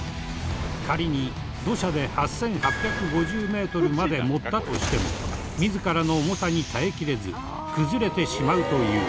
仮に土砂で８８５０メートルまで盛ったとしても自らの重さに耐えきれず崩れてしまうという。